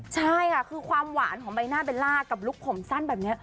ใช่ค่ะคือความหวานของใบหน้าเบลล่ากับลุคผมสั้นแบบนี้